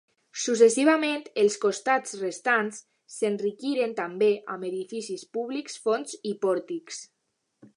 Successivament, els costats restants s'enriquiren també amb edificis públics, fonts i pòrtics.